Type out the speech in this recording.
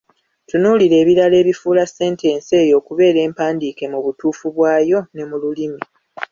Tunuulira ebirala ebifuula sentensi eyo okubeera empandiike mu butuufu bwayo ne mu lulimi.